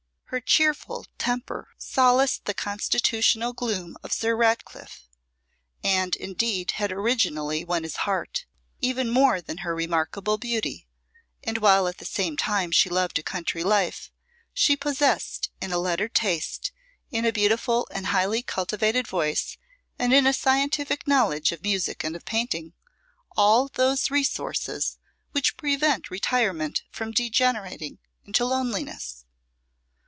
Her cheerful temper solaced the constitutional gloom of Sir Ratcliffe, and indeed had originally won his heart, even more than her remarkable beauty: and while at the same time she loved a country life, she possessed in a lettered taste, in a beautiful and highly cultivated voice, and in a scientific knowledge of music and of painting, all those resources which prevent retirement from degenerating into loneliness.